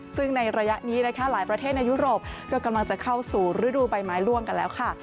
ซึ่งในระยะนี้นะคะหลายประเทศในยุโรปก็กำลังจะเข้าสู่ฤดูใบไม้ล่วงกันแล้วค่ะ